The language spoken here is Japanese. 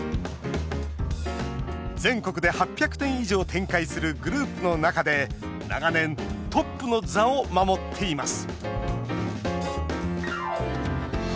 全国で８００店以上展開するグループの中で長年、トップの座を守っています。